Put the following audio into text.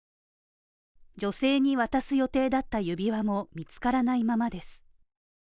女性に渡す予定だった指輪も見つからないままです。